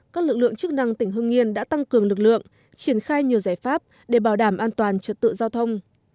các lực lượng chức năng tỉnh hưng yên đã tăng cường lực lượng triển khai nhiều giải pháp để bảo đảm an toàn trật tự giao thông